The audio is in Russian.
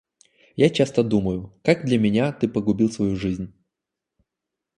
Я часто думаю, как для меня ты погубил свою жизнь.